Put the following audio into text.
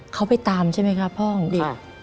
เขาไปตามใช่ไหมครับพ่อของเด็ก